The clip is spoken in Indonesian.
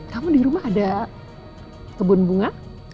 kamu di rumah ada kebun bunga